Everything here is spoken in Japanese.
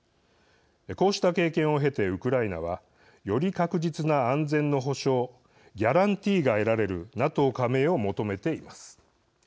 こうした経験を経てウクライナはより確実な安全の保障ｇｕａｒａｎｔｅｅが得られるＮＡＴＯ加盟を求めています。